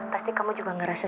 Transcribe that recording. pasti kamu juga ngerasa